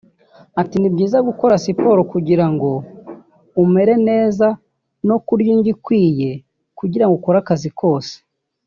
Ati “Ni byiza gukora siporo kugira ngo umere neza no kurya indyo ikwiye kugira ngo ukore akazi kose